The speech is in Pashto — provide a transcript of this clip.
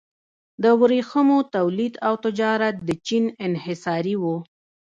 د ورېښمو تولید او تجارت د چین انحصاري و.